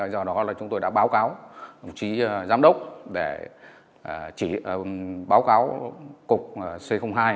do đó là chúng tôi đã báo cáo đồng chí giám đốc để báo cáo cục c hai